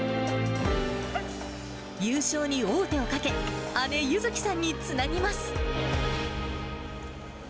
優勝に王手をかけ、姉、優月さんにつなぎます。